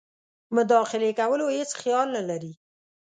مداخلې کولو هیڅ خیال نه لري.